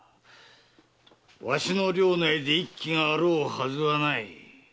わしの領内で一揆があろうはずがない。